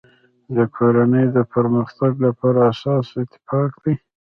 د کورنی د پرمختګ لپاره اساس اتفاق دی.